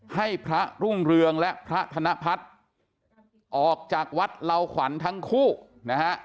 ให้พระรุ่งเรืองและพระธนพัฒน์ออกจากวัดเหล่าขวัญทั้งคู่นะฮะ